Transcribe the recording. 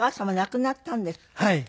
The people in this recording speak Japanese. はい。